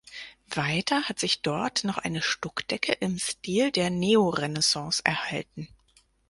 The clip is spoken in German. Weiter hat sich dort noch eine Stuckdecke im Stil der Neorenaissance erhalten.